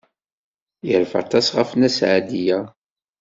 Yerfa aṭas ɣef Nna Seɛdiya.